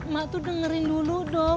mak tuh dengerin dulu dong